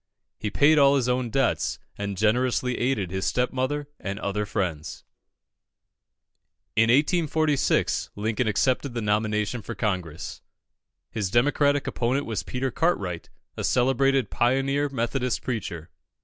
He paid all his own debts, and generously aided his stepmother and other friends. In 1846, Lincoln accepted the nomination for Congress. His Democratic opponent was Peter Cartwright, a celebrated pioneer Methodist preacher.